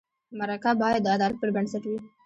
مرکه باید د عدالت پر بنسټ وي.